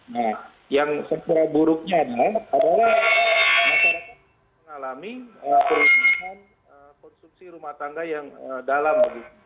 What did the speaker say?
nah yang setelah buruknya adalah masyarakat mengalami perubahan konsumsi rumah tangga yang dalam